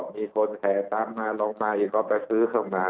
มีคนแสดงตามมาลงใหม่ไปซื้อขึ้นมา